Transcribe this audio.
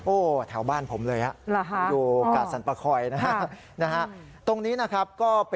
โอ้แถวบ้านผมเลยครับ